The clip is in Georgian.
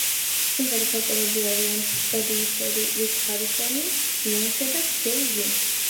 სიმღერის ავტორები არიან პროდიუსერი რიჩ ჰარისონი, ბიონსე და ჯეი-ზი.